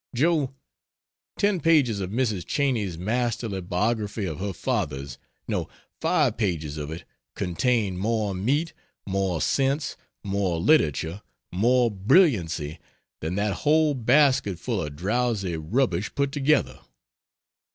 Joe, ten pages of Mrs. Cheney's masterly biography of her fathers no, five pages of it contain more meat, more sense, more literature, more brilliancy, than that whole basketful of drowsy rubbish put together.